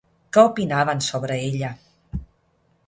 Què opinaven sobre ella?